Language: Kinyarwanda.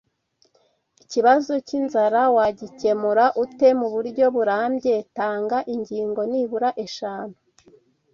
Ikibazo k’inzara wagikemura ute mu buryo burambye Tanga ingingo nibura eshanu